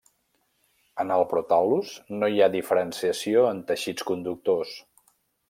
En el protal·lus no hi ha diferenciació en teixits conductors.